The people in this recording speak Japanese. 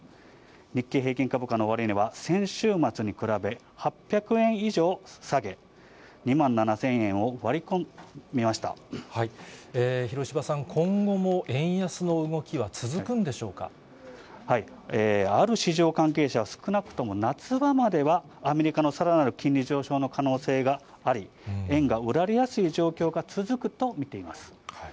日経平均株価の終値は、先週末に比べ８００円以上下げ、広芝さん、今後も円安の動きある市場関係者は、少なくとも夏場まではアメリカのさらなる金利上昇の可能性があり、円が売られやすい状況が続くと見ています。